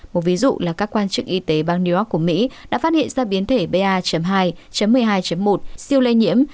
một ví dụ là các quan chức y tế bang new york của mỹ đã phát hiện ra biến thể ba hai một mươi hai một siêu lây nhiễm